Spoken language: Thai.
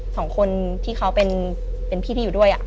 สองคนที่เขาเป็นพี่อยู่ด้วยอ่ะ